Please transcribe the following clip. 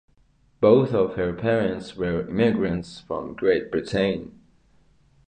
Both of her parents were immigrants from Great Britain.